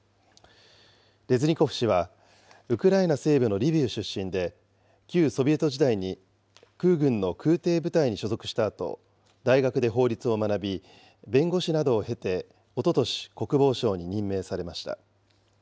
レズニコフ氏は、ウクライナ西部のリビウ出身で、旧ソビエト時代に空軍の空てい部隊に所属したあと、大学で法律を学び、弁護士などを経て、おととし、国防相に任命されました。